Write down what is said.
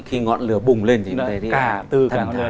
khi ngọn lửa bùng lên thì